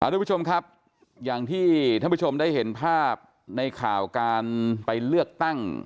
ทุกผู้ชมครับอย่างที่ท่านผู้ชมได้เห็นภาพในข่าวการไปเลือกตั้ง